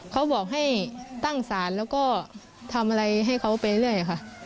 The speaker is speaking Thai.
เขาบอกให้ตั้งศาลแล้วก็ทำอะไรให้เขาไปเรื่อยค่ะ